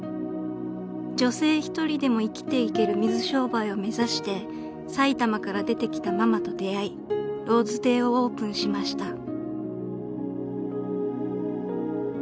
［女性一人でも生きていける水商売を目指して埼玉から出てきたママと出会い薔薇亭をオープンしました］